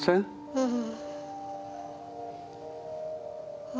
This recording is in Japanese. うん。